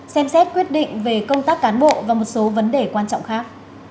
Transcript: xem xét quyết định về công tác cán bộ và một số vấn đề quan trọng khác